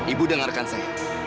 ibu dengarkan saya